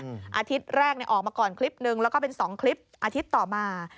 อาทิตย์แรกเนี่ยออกมาก่อนคลิปนึงแล้วก็เป็นสองคลิปอาทิตย์ต่อมา